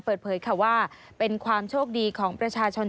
เปิดเผยความโชคดีของประชาชน